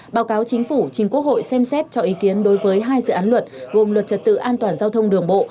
báo cáo chính phủ chính quốc hội xem xét cho ý kiến đối với hai dự án luật gồm luật trật tự an toàn giao thông đường bộ